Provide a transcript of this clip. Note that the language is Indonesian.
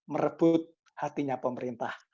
merebut hatinya pemerintah